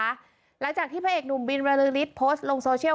หลังจากที่พระเอกหนุ่มบินบรึงฤทธิโพสต์ลงโซเชียล